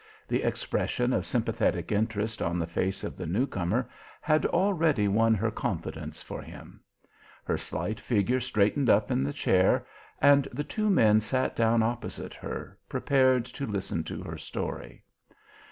The expression of sympathetic interest on the face of the newcomer had already won her confidence for him. Her slight figure straightened up in the chair, and the two men sat down opposite her, prepared to listen to her story.